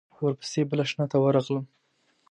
ورپسې بل آشنا ته ورغلم.